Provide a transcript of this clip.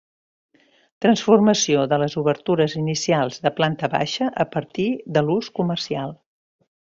Transformació de les obertures inicials de planta baixa a partir de l'ús comercial.